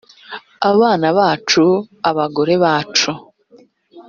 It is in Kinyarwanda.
abana bacu abagore bacu